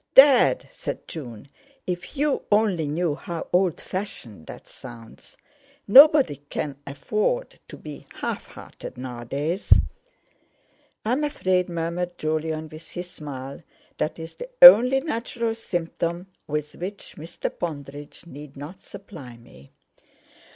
"Dad," said June, "if you only knew how old fashioned that sounds! Nobody can afford to be half hearted nowadays." "I'm afraid," murmured Jolyon, with his smile, "that's the only natural symptom with which Mr. Pondridge need not supply me.